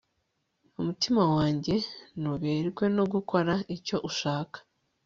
umutima wanjye nuberwe no gukora icyo ushaka